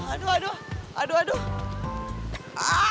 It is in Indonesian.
aduh aduh aduh aduh